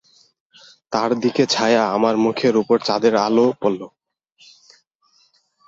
তার দিকে ছায়া, আমার মুখের উপর চাঁদের আলো পড়ল।